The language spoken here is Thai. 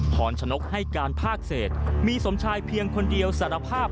พรชนกให้การภาคเศษมีสมชายเพียงคนเดียวสารภาพ